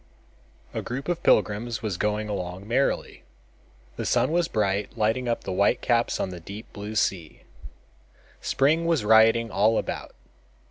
A group of pilgrims was going along merrily. The sun was bright, lighting up the white caps on the deep blue sea. Spring was rioting all about.